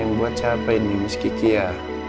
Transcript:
yang buat capek nih mas kiki ya